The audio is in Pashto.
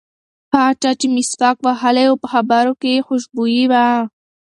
هغه چا چې مسواک وهلی و په خبرو کې یې خوشبويي وه.